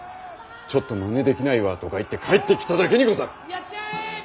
ちょっとマネできないわ」とかいって帰ってきただけにござる。